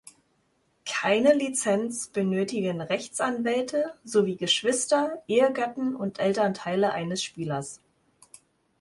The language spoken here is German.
Keine Lizenz benötigen Rechtsanwälte sowie Geschwister, Ehegatten und Elternteile eines Spielers.